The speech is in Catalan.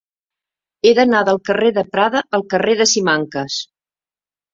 He d'anar del carrer de Prada al carrer de Simancas.